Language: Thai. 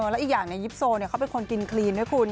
แล้วอีกอย่างในยิปโซเขาเป็นคนกินคลีนด้วยคุณ